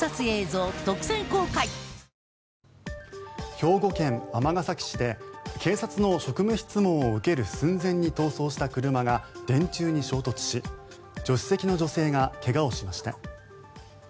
兵庫県尼崎市で警察の職務質問を受ける寸前に逃走した車が電柱に衝突し助手席の女性が怪我をしました。